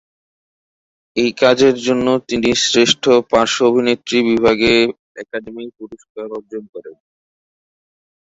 এই কাজের জন্য তিনি শ্রেষ্ঠ পার্শ্ব অভিনেত্রী বিভাগে একাডেমি পুরস্কার অর্জন করেন।